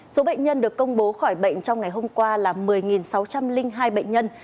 số bệnh nhân được công bố khỏi bệnh trong ngày hôm qua là một mươi sáu trăm linh hai bệnh nhân